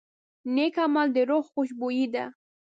نیک عمل د روح خوشبويي ده.